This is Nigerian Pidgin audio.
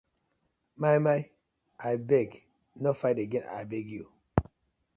Maymay abeg no fight again abeg yu.